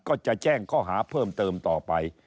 ก็จะแจ้งข้อหาเพิ่มเติมต่อไป